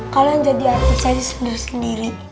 kalian jadi artis aja sendiri sendiri